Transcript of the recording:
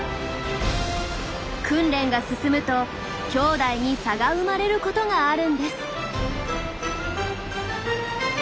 訓練が進むときょうだいに差が生まれることがあるんです。